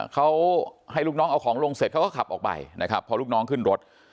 เขาให้ลูกน้องเอาของลงเสร็จเขาก็ขับออกไปนะครับพอลูกน้องขึ้นรถ